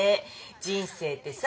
人生ってさ